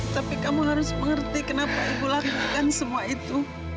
tapi kamu harus mengerti kenapa ibu lakukan semua itu